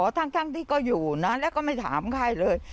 ทั้งที่ก็อยู่นะแล้วก็ไม่ถามใครเลย